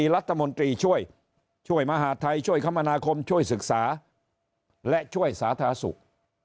รัฐมนตรีช่วยช่วยมหาทัยช่วยคมนาคมช่วยศึกษาและช่วยสาธารณสุข